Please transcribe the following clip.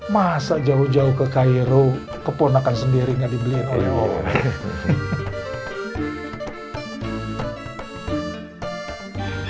masa jauh jauh ke kairu keponakan sendiri gak dibeliin oleh allah